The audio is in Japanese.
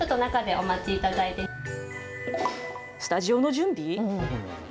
スタジオの準備？